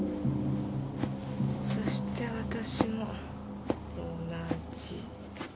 そして私も同じ。